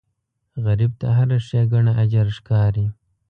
غریب ته هره ښېګڼه اجر ښکاري